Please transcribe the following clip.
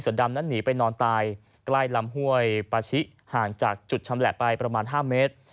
ดำนั้นหนีไปนอนตายใกล้ลำห้วยปาชิห่างจากจุดชำแหละไปประมาณ๕เมตร